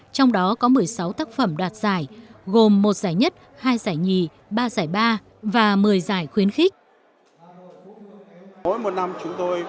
trong đó có một mươi sáu tác phẩm đoạt giải gồm một giải nhất hai giải nhì ba giải ba và một mươi giải khuyến khích